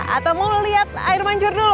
atau mau lihat air mancur dulu